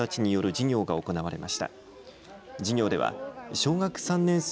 授業では小学３年生